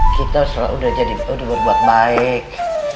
kita udah jadi udah berbuat baik